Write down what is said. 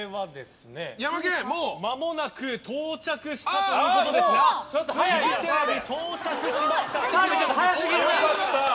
到着したということでフジテレビ、到着しました。